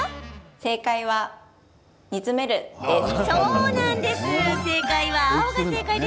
正解は、煮詰めるです。